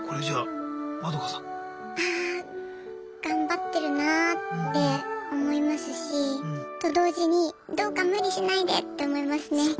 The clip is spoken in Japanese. じゃあマドカさん。ああ頑張ってるなあって思いますしと同時にどうか無理しないでって思いますね。